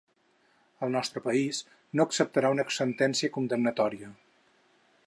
El nostre país no acceptarà una sentència condemnatòria.